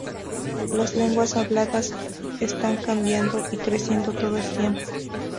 Las lenguas habladas están cambiando y creciendo todo el tiempo.